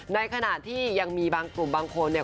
ในขณะที่ยังมีกลุ่มบางคน